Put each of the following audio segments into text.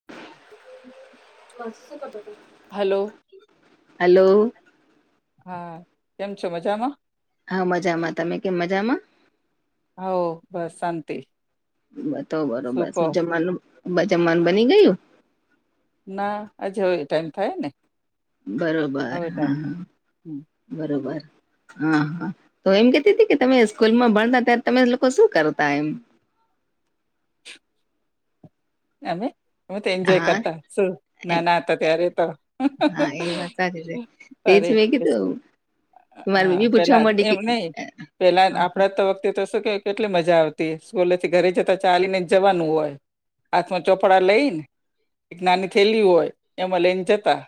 [unintelligible] Hello hello હા કેમ છો મજામાં હા મજામાં તમે કેમ મજામાં? હ બસ શાંતી. બતો બરોબરું જમવાનું બ જમવાનું બની ગયું? ના આજે હવે એ ટાઈમ થાય ને બરોબર હવે હા ટાઈમ થાય હમ બરોબર હા હા તો એમ કેતી હતી કે તમે સ્કૂલમાં ભણતા ત્યારે તમે લોકો શું કરતા એમ. અમે હું તો એન્જોય હા કરતા શું નાના હતા ત્યારે તો [unintelligible] તે જ મેં કીધું. હા મારી હા બેબી પૂછવા પેલા માંડી એમ કે નહીં પેલા હા આપડે તો તે તો શું કે કેટલી મજા આવતી સ્કૂલે થી ઘરે જતા ચાલી ને જવાનું હોય. હાથમાં ચોપડા લઈ ન એક નાની થયેલી હોય એમાં લઈને જતા.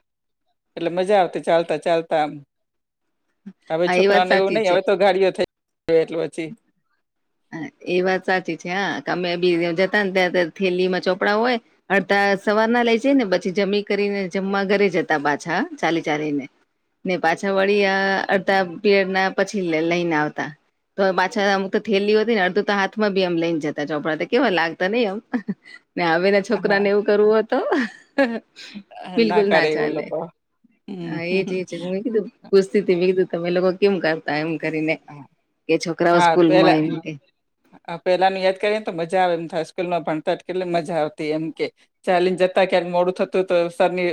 એટલે મજા આવતી છે આવતા ચાલતા એમ હવે એ વાત છોકરાને એવું સાચી નઈ છે હવે તો ગાડીઓ થઈ એટલે પછી. હા એ વાત સાચી છે હા કે અમે બી જતા ને ત્યારે થેલી માં ચોપડા હોય અડતા સવાર ના લઈ જઈ ને પછી જમી કરીને જમવા ઘરે જતા પાછા ચાલી ચાલીને. ને પાછા વળી અડધા પીરયડ ના પછી લઈને આવતા તો [unintelligible] થેલી હતી ને અડધું તો હાથમાં બી આમ લઈને જતા ચોપડાતા કેવા લાગતા નહી એમ ને હ છોકરા હા ને એવું કરવું હો તો. બિલકુલ કરે ના એવું ચાલે લોકો હમ હા એજ એજ હું એ કીધું પુસ્થી તી તમે લોકો કેમ કરતા એમ કરીને હા કે છોકરાઓ સ્કૂલ માં એમ આ પેલાની યાદ કરીએ ને તો મજા આવે એમ થાય સ્કૂલ માં ભણતા કેટલી મજા આવતી એમ કે ચાલીને જતા ક્યાંરેક મોડું થતું તો સરની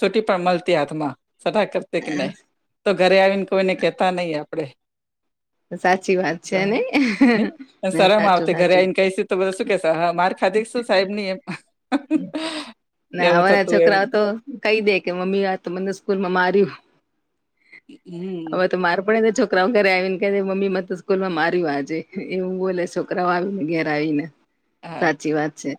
સુટી પણ મળતી હાથમાં સટાક [unintelligible] તો ઘરે આવીને કોઈને કહેતા નહીિ આપડે સાચી વાત. સ છે ને નહી પણ સરમ સાચું આવતી ઘરે સાચું આવીને કઈ તો બધા શું કેસા હ મારી ખાધ શું સાહેબ ની એમ. ને એવું હવાના થતું એમ છોકરાઓ તો કહી દે કે મમ્મી આ તો મને સ્કૂલ માં માર્યું. હમ હવે તો મારે પડે ને તો છો છોકરાઓ ઘરે આવીને કે મમ્મી મ તો સ્કૂલ માં માર્યું આજે એવું બોલે છોકરાઓ આવી ને ઘર આવીને હા સાચી વાત છે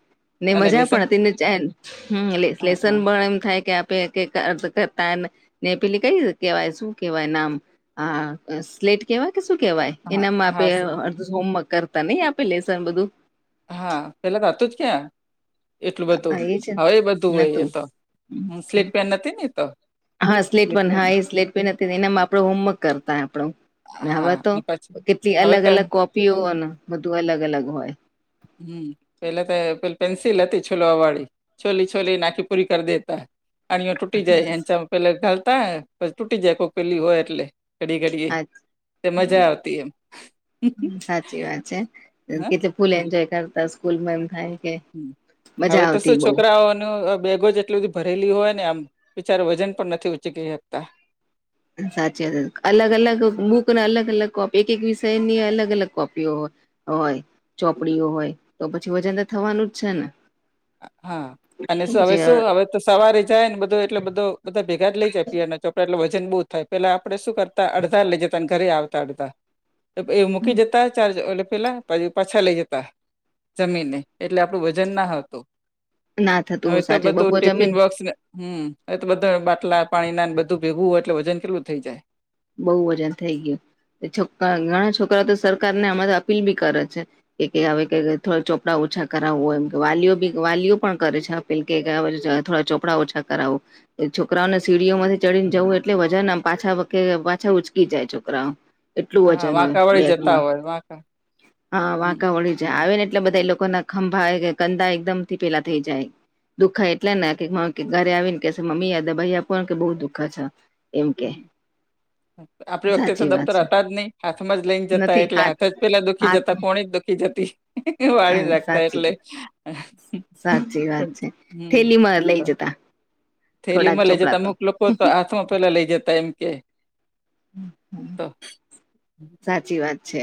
ને અને મજા લેસન પણ હતી ને હમ્મ એટ હા લેશન હા પણ એમ થાય કે [unintelligible] ને પેલી કઈ કેવાય શું કેવાય નામ? હ સ્લેટ કેવાય કે શું કેવાય! હા એનામાં આપે હા સ- અડધ હોમવર્ક કરતા નહિ આપે લેસન બધું. હા પેલા તો હતું જ ક્યાં. એટલું બધું હા છે હવે એ બધું હોય એ નતું તો હમ હ સ્લીપ પેન નથી ને એતો હા સ્લેટપેન હા એ સ્લેટ પેન હતી ને એનામાં આપડો હોમવર્ક કરતા આપણો ને હવે હા તો ને પછી કેટલી હવે તો અલગ-અલગ કોપીઓને બધું અલગ- અલગ હોય. હમ્મ પેલા તો પે પેન્સિલ હતી છોલ વાળી છોલી છોલી નાખી પૂરી કરી દેતા. અણીઓ તૂટી જાય એંચામાં પેલા ઘાાલતા પછી તૂટી જાય કોઈ પેલી હોય એટલે ઘડી ઘડીએ હા તે મજા આવતી એમ સાચી વાત છે હા [unintelligible] ફૂલ એન્જોય કરતા સ્કૂલ એમ થાય કે હ હવે મજા તો આવતી શું બઉ છોકરાઓ ન બેગો જ એટલી બધી ભરેલી હોય ને આમ બિચારે વજન પણ નથી ઉચીકી શકતા. સાચી વાત અલગ-અલગ બુકને અલગ-અલગ કોપી એક એક વિષયની અલગ અલગ કોપીઓ હોય. હોય ચોપડીઓ હોય તો પછી વજન તો થવાનું જ છે ને. હા અને તો શું હવે પછી શું હવે તો સવારે જાય ને બધું એટલે બધો બધા ભેગા જ લઈ જાય પીય ને એટલે વજન બહુ થાય પેલા આપણેે શ કરતા અડધા લઇ જતાને ઘરે આવતા અડધા એ મૂકી જતા ચાર્જ ઓ પેલા બાજુ પાછા લઈ જતા જમીનને એટલે આપડું વજન ના હતું. ના થતું હવે તો સાચે બધું બપોર જમીને ટિફિન બોસ હમ્મ એ તો બધા બાટલા પાણી ના બધું ભેગવું હોય એટલે વજન કેટલું થઇ જાય. બઉ વજન થઈ ગયું છોક ઘણા છોકરા તો સરકારને આમાંરે અપીલ બી કરે છે કે હવે થોડા ચોપડા ઓછા કરાવવું હોય એમ કે વાલીઓ બી વાલીઓ પણ કરે છે પીલકે ગયા થોડા ચોપડા ઓછા કરાવું છોકરાઓને સીડીઓમાંથી ચડીને જવું એટલે વજન પાછા કે પાછા ઉચકી જાય છોકરાઓ એટલું હા વજન હોય વાંકા વળી જતા બેગમાં હોય વાંકા હા હમ વાંકાવાળી આવે ને એટલે બધા એ લોકો ના ખંભા કદા એકદમ થી પેલા થઈ જાય. દુખા એટલે ના કે ઘરે આવીને કે મમ્મી યાદા ભાઈ આપ કે બહુ દુખા છે એમ કે. હમ. આપણી વખતે તો સાચી વાત દફ્તર છે હતા જ નહી હાથમાં જ લઈને જતા એટલે હાથ જ પેલા હા દુખીતા કોની દુખી જતી. હા વાળીને રાખતા સાચી એટલે સાચી વાત છે હમ્મ. થેલીમાં લઈ જતા થેલી થોડાક માં લઈ ચોપડા જતા તો અમુક લોકો તો હાથ પેલા લઈ જતા એમ કે. સાચી વાત છે.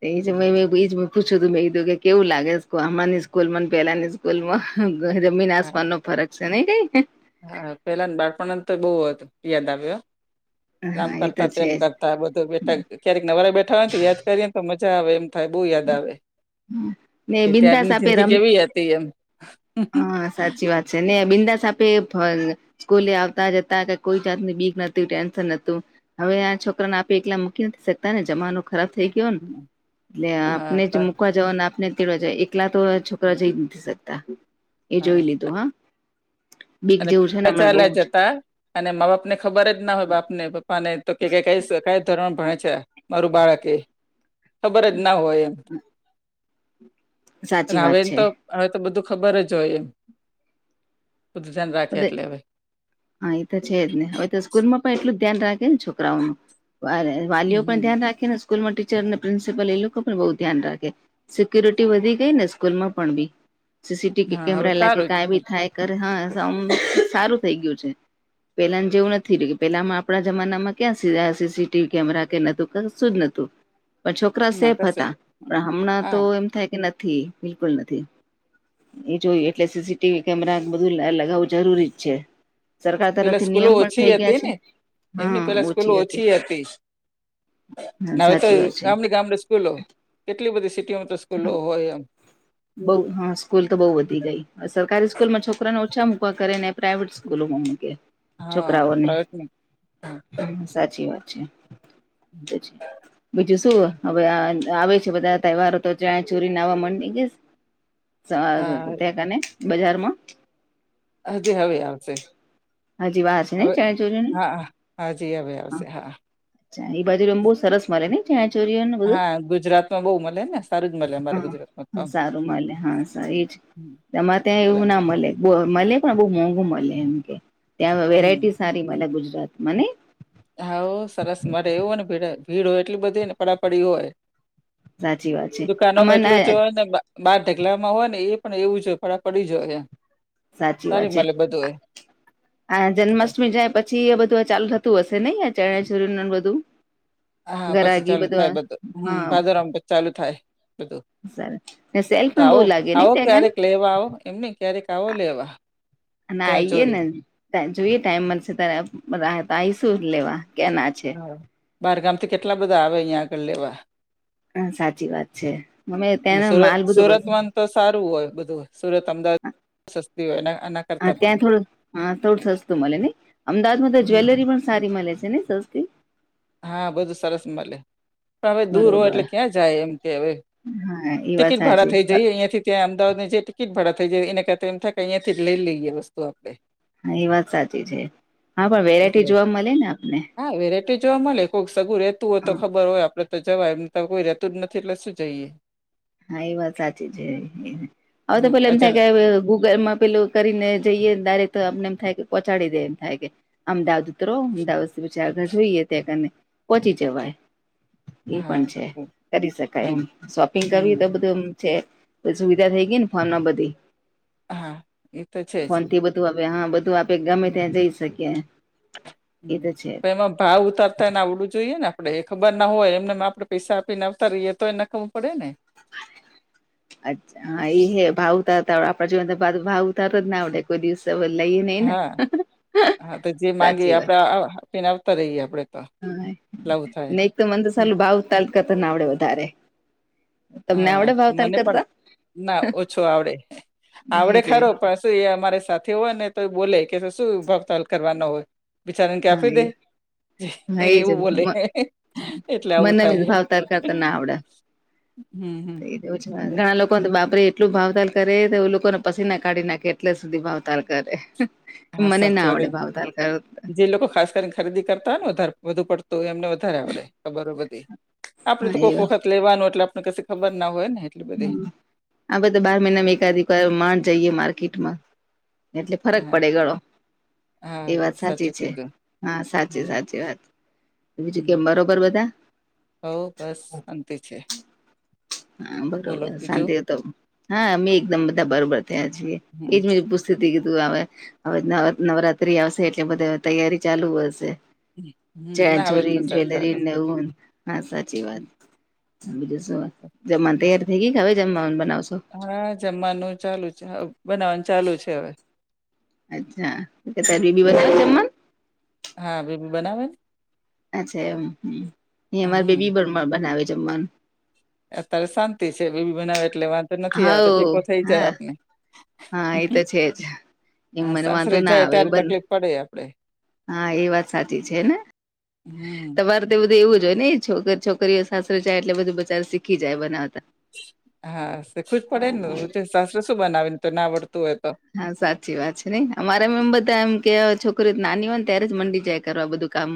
એ મેજ પૂછ્યું તું મેં કીધું કે કેવું લાગે હમાની સ્કૂલ મને પેલા ની સ્કૂલ સ્કૂલમાં જમીના હા આસમાન ન ફરક છે નઈ. હા પેલા ને બાળપણને તો બહુ યાદ આવ્યો. આમ હા એ તો કરતા તેમ છે જ કરતા બધું બેઠા ક્યારેક નવારે બેઠા હો ને તો યાદ કરીએ તો મજા આવે એમ. થાઈ બહુ યાદ આવે ને કે બિંદાસ ત્યારની આપે જિંદગી રમ કેવી હતી એમ. હા સાચી વાત છે ને બિંદાસ આપે સ્કૂલે આવતા જતા કોઈ જાતની બીક ન ટેન્શન નતું હવે આ છોકરાને આપી એકલા મૂકી નથી શકતા ને જમાનો ખરાબ થઈ ગયો ને એટલે હા આપને જ તો- મુૂકવા જાવ આપને તીડવા જાવ એકલા તો છોકરા જઈ નથી શકતા. એ હા જોઈ લીધું હા. બીક અને પ જેવું છે ને [unintelligible] હમણાં બહુ ચાલ્યા જ જતા. અને મા બાપ ને ખબર જ ના હોય બાપ ને પપ્પા ને તો કે ક ક કઈ ધોરણ ભણે છે. મારું બાળકે ખબર જ ના હોય એમ. સાચી હવે વાત એમ છે તો હવે તો બધું ખબર જ હોય એમ. ઉુધન રાખટ લેબય. હા એ તો છે જ ને હવે તો સ્કૂલ માં પણ એટલું જ ધ્યાન રાખે ને છોકરાઓનું વારે. વાલીઓ હમ હમ પણ ધ્યાન રાખે ને સ્કૂલમાં ટીચર અને પ્રિન્સિપલ એ લોકો પણ બઉુ ધ્યાન રાખે. સિક્યુરિટી વધી ગઈ ને સ્કૂલ માં પણ બી સીસીટીવી હા હવે કેમેરા લાગ સારું જ છે કાયબી થાય ઘરે હા સા સારું થઇ ગયું છે. પેલાને જેવું નથી રહ્યું પેલામાં આપણા જમાનામાં ક્યાં સીસીટીવી કેમેરા કે નતું ક શું જ નથી. પણ છોકરા ના સેફ કશું હતા ન પણ હમણાં તો હા એમ થાય કે નથી. બિલકુલ નથી એ જોયું એટલે સીસીટીવી કેમેરા બધું અલગ હોવું જરૂરી જ છે. સરકાર પેલા તરફથી સ્કૂલો નિયમ પણ ઓછી થઈ ગયા હતી છે ને એમની પેલા સ્કૂલો ઓછી હતી. હા નાવે તો સાચી વાત છે ગામડીે ગામડી સ્કૂલો કેટલી બધી સિટીમાં તો સ્કૂલો હોય એમ. બઉ હા સ્કૂલ તો બહુ વધી ગઈ સરકારી સ્કૂલમાં છોકરાને ઓછા મૂકા કરે ને પ્રાઈવેટ સ્કૂલોમાં મુકે હા છોકરાઓને. પ્રાઇવેટની હ સાચી વાત છેી બીજું શું. હવે આવે છે બધા તહેવારો તો ત ચોરી નાવા મમાંડી ગઈ. ત્યાં હા કને બજારમાં હજી હવે આવશે. હજી વાર છે ને હવે ચણચોરીઓની હા હાજી હવે આવશે હા. એ બાજુ રમ બુઉ સરસ મરે ન‌ઈ ચણીયા ચોળીઓનું બધું હા ગુજરાતમાં બહુ મળે ને સારું જ મળે અમારા ગુજરાતમાં તો હા આમ. સારું મલે હા એ જ હમ [inaudible] એમાં ત્યાં એટલે એવું ના મળે મળે પણ બહુ મોંઘુ મળે એમ કે. ત્યાં વેરાયટી હમ સારી મ ગુજરાતમાંને! હા સરસ મરે એવ હો ને ભીડ ભીડ હોય એટલી બધી ને પડાપડી હોય. સાચી વાત છે દુકાનોમાં આમાં ના એટલું જો ને બાર ઢકલામાં હોય ને એ પણ એવું જો પડી જ હોય. સાચી સારી વાત છે મળે બધું એ હ જન્માષ્ટમી જાય ને. પછી એ બધું ચાલુ થતું હશે નહી ચણીયા ચોળી ને બધું હા પછી ચાલુ થાય બધું હમ હા ભાદરમાં ચાલુ થાય. બધું સર ને સેલ તો પણ બહુ આવો લાગે ને આવો ત્યાં કન ક્યારેક લેવા આવો. એમને ક્યારેક આવો લેવા. અને આઈએ ચણચોરી ને ટાઈમ જોઈએ ટાઈમ મળશે તારે આવશું પર આયશુ લેવા ક્યાં ના છે. બાર ગામ થી કેટલા બધા આવે અહિયાં આગળ લેવા. હા સાચી વાત છે અમે અને ત્યાંનો સુરત માલ બધો બસ સુરતમાં તો સારું હોય બધું હોય સુરત અમદાવાદ સસ્તી હોય આના હા ત્યાં થોડું હા થોડું સસ્તું મળે ને અમદાવાદમાં તો હમ જ્વેલરી પણ સારી મળે છે ને સસ્ત [unintelligible] [unintelligible] હા બધું સરસ મળે પણ હવે દૂર હોય બરોબર એટલે ક્યાં જાય એમ કે હવે હા એ વાત ટિકિટ ભાડા સાચી થઈ જઈ અહીંયા થી ત્યાં અમદાવાદ ની જે ટિકિટ ભાડા થઈાય એના કરતા એમ થ અહીંયાથી લઈ લઈએ વસ્તુ આપણે હા એ વાત સાચી છે હા પણ વેરાયટી એટલે જોવા મળે ને આપને હા વેરાયટી જોવા મળે કોઈક સગું રહેતું હોય તો હા ખબર હોય આપડે તો જવા એમને કોઈ રતું જ નથી એટલે શું જઈએ. હા એ વાત સાચી છે હવે તો હા પેલા એમ અજાણ થાય કે ગૂગલમાં પેલું. કરીને જઈએ ડાયરેક્ટ તે અમને એમ થાય કે પહોચાડી દે એમ થાય કે અમદાવાદ ઉતરો અમદાવાદ ચાલતા જોઈએ ત્યાંને કને પહોંચી જવાય. એ હા પણ છે કરી શકાય હા એમ શોપિંગ કરવી તો હમ બધું છે સુવિધા થઈ ગઈ ને ફોન બધી હા એ છે જ ફોન થી બધું હવે આપ હા બધું આપ એ છે તો એમાં ભાવ ઉતારતા ને આવડું જોઈએ ને. ને ખબર ના હોય એમને આપણે પૈસા આપીને આવતા રહીએ તો એ નકામુ પડે ને. અચ્છા હા એ હે ભાવ ઉતાર હતા આપણા જીવન ભાવ ઉતાર જ ના આવડે. કોઈ દિવસ લઈએ નહી હા હા તો જે માંગીએ સાચી આપડે વાત. આ- આ પીને આવતા રઈએ આપડે. તો હા એટલે આવું થાય ને એક તો મન તો સાલું ભાવ તાલ કરતા ન આવડે વધારે. તમને હા આવડે ભાવતાલ મને પણ કરતા ના ઓછો આવડે એ આવડે જ ખરો પણ તો એ અમારે સાથે હોય ને તો એ બોલે કે શું ભાવ તાલ કરવાનો હોય. બિચારાને હા આપી એ દે હા એ એવું જ બોલે એટલે આવું મને બી થાય. ભાવતાલ હમ હમ એવું છે ઘણા લોકો. બાપરે એટલું ભાવતાલ કરે તો લોકોને પસી ના કાઢી નાખે એટલે સુધી ભાવતાલ કરે. હા મને ના સાચી વાત આવડે ભાવતાાલ કરતે. જે લોકો ખાસ કરી ખરીદી કરતા ને વધારે વધુ પડતું હોય એમને વધારે આવડે ખબર બધી આપડ હા તો એ કોઈક વખત લેવાનું એટલે આપણે કશું ખબર ના હોય ને. એટલી બધી આ બધા બાર મહિનામાં એકાદ માણ જઈએ માર્કેટમાં્ એટલે ફરક હા પડે ગળો એ હા વાત સાચી સાચું છે કીધું હા સાચી હમ સાચી વાત બીજું કેમ બરોબર બધા હ બસ શંતી છે હા બોલો બરોબર બીજું શાંતિ તો હા મેં એકદમ બધા બરોબર થયા છીએ હમ એજ પૂછ સુધી કીધું આવે હવે નવ નવરાત્રી આવશે એટલે બધે તૈયારી ચાલુ હશે હમ ના હવે ચનિયાચોરી થશે હવે જ્વેલરી ચાલુ ને એવું. હા સાચી વાત બીજું શું જમવાનું તૈયાર થઈ ગઈ કે હવે જમવા બનાવશો. હા જમવાનું ચાલુ છે બનાવવાનું ચાલુ છે હવે. અચ્છા બેબી હા બેબી બનાવે ને અચ્છા એમ એ અમારે બેબી હમ બનાવે જમવાનું અત્યારે શાંતિ છે બેબી બનાવે એટલે વાંધ તો નથી આવતો હવ ટેકો થઈ જાય હા આપને હા એ તો છે જ એમ હા મને વાંધો સાસરે ના જાય આવે ત્યારે બને તકલીફ પડે આપડે હા એ વાત સાચી છે ને હમ તવારુ તે તો બધું એવું જ હોય ને છોકરી છોકરીઓ સાસરે જાય એટલે બધું બચાર શીખી જાય બનાવતા હા શીખાવું જ પડેને સાસરે શું બનાવી ને તો ના આવડતું હોય તો હા સાચી વાત છે નઈ અમારામ એમ બધા એમ કે છોકરી નાની હોય ને ત્યારે જ મંડી જાય કરવા બધું કામ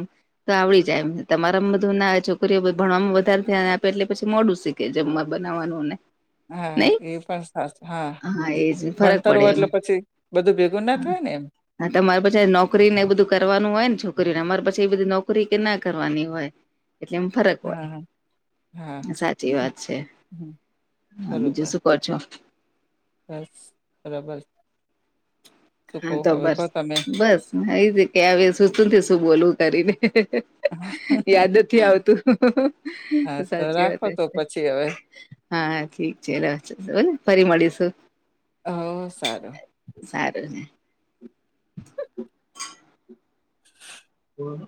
તો આવડી જાયમ તમારા બધું ના છોકરીઓ ભણવાવામાં વધારે ધ્યાન આપે એટલે પછી મોડું શીખ કે જમવા બનાવાનું ને હા નઈ એ પણ હા એજ ફરક પડે સરવ એમ. એટલે પછી બધું ભેગું ના થાય ને એમ હા તમારે પાછી નોકરી ને એ બધું કરવાનું હોય ને છોકરીઓને અમારે પાછી એ બધી નોકરી કે ના કરવાની હોય એમ ફરક હા હોય હા હા સાચી વાત છે હમ, હ બીજું બરોબર શુ કો છો બસ બરાબર હા તો બસ તમે બસ એ જ કે આવે શું શું શું બોલવું કરીને હે હે હે... યાદ નથી આવતું હમ.... હા હમમ તો સાચી વાત રાખો તો છે પછી હવે હા ઠીક છે રાહ જોશું ફરી મળીશું હહ સારું સારું છેને હમ